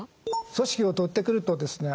組織をとってくるとですね